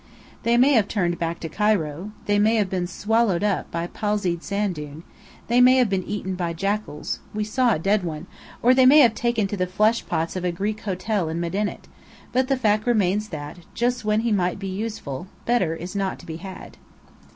They may have turned back to Cairo; they may have been swallowed up by a palsied sand dune; they may have been eaten by jackals (we saw a dead one), or they may have taken to the fleshpots of a Greek hotel in Medinet; but the fact remains that, just when he might be useful, Bedr is not to be had.